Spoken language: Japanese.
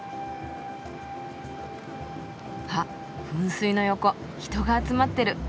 あっ噴水の横人が集まってる。